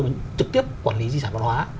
mà trực tiếp quản lý di sản văn hóa